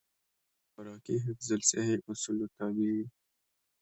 پنېر د خوراکي حفظ الصحې اصولو تابع وي.